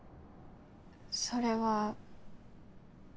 それは。